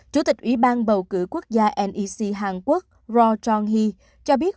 chủ tịch ủy ban bầu cử quốc gia nec hàn quốc ro chong hee cho biết